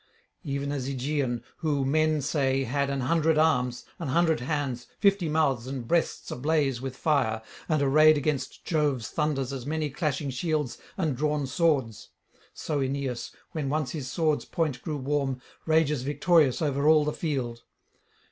Even as Aegaeon, who, men say, had an hundred arms, an hundred hands, fifty mouths and breasts ablaze with fire, and arrayed against Jove's thunders as many clashing shields and drawn swords: so Aeneas, when once his sword's point grew warm, rages victorious over all the field.